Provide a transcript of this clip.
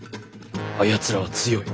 あやつらは強い。